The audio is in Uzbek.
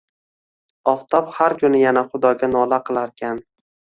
Oftob har kuni yana Xudoga nola qilarkan.